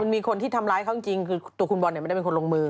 มีคนที่ทำร้ายเขาจริงคือตัวคุณบอลไม่ได้เป็นคนลงมือ